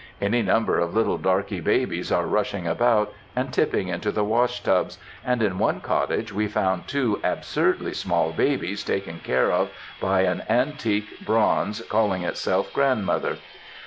Any number of little darkey babies are rushing about, and tipping into the wash tubs, and in one cottage we found two absurdly small babies taken care of by an antique bronze, calling itself grandmother.